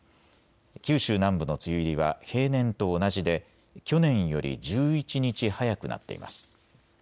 九州南部の梅雨入りは平年と同じで去年より１１日早くなっています。